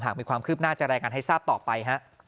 หากมีความคืบหน้าจะแรงการให้ทราบต่อไป